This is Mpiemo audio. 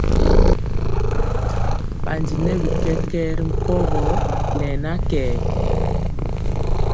Bandi nɛ bi kɛkɛɛ ri mpogɔ ne na kɛɛr.